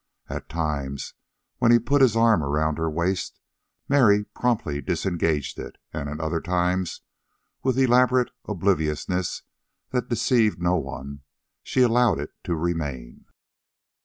At times, when he put his arm around her waist, Mary promptly disengaged it; and at other times, with elaborate obliviousness that deceived no one, she allowed it to remain.